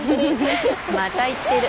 また言ってる。